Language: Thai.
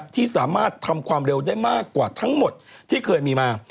ที่สามารถทำความเร็วได้มากกว่าทั้งหมดที่เคยมีมา